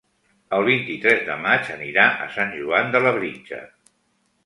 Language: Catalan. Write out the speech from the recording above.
El vint-i-tres de maig anirà a Sant Joan de Labritja.